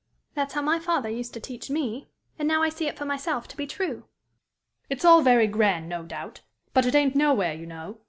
That's how my father used to teach me, and now I see it for myself to be true." "It's all very grand, no doubt; but it ain't nowhere, you know.